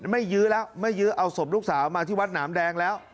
ยื้อแล้วไม่ยื้อเอาศพลูกสาวมาที่วัดหนามแดงแล้ว